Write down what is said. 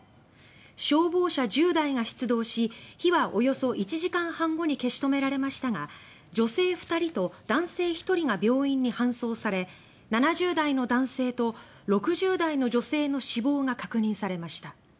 消防車１０台が出動し火はおよそ１時間半後に消し止められましたが女性２人と男性１人が病院に搬送され７０代の男性と６０代の女性の死亡が確認されました。